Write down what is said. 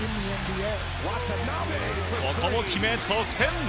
ここも決め、得点！